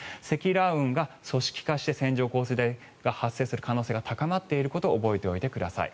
雨雲が組織化して線状降水帯が発生する可能性が高まっていることを覚えておいてください。